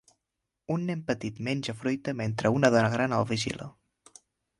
Un nen petit menja fruita mentre una dona gran el vigila.